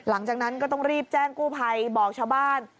หลังจากนั้นก็ต้องรีบแจ้งกู้ภัยบอกชาวบ้าน